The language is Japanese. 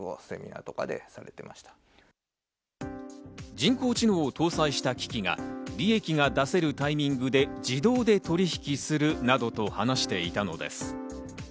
人工知能を搭載した機器が利益が出せるタイミングで自動で取引するなどと話していたのです。